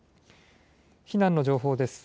避難の情報です。